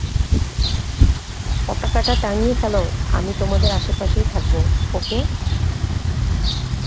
পতাকা টা টাঙিয়ে ফেলো আমি তোমাদের আশেপাশেই থাকব, ওকে?